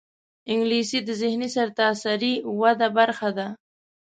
انګلیسي د ذهني سرتاسري وده برخه ده